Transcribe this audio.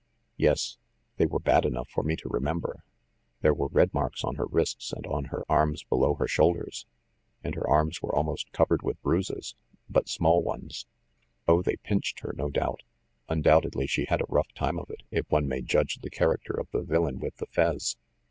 "Yes; they were bad enough for me to remember. There were red marks on her wrists and on her arms below her shoulders; and her arms were almost cov ered with bruises ; but small ones." "Oh, they pinched her, no doubt. Undoubtedly she had a rough time of it, if one may judge the character of the villain with the fez.